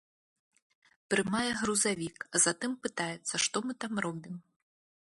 Прымае грузавік, а затым пытаецца, што мы там робім.